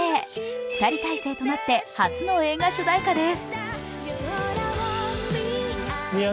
２人体制となって、初の映画主題歌です。